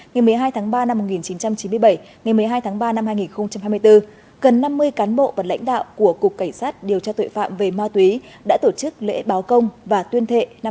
ngày một mươi hai tháng ba năm một nghìn chín trăm chín mươi bảy ngày một mươi hai tháng ba năm hai nghìn hai mươi bốn gần năm mươi cán bộ và lãnh đạo của cục cảnh sát điều tra tội phạm về ma túy đã tổ chức lễ báo công và tuyên thệ năm hai nghìn hai mươi bốn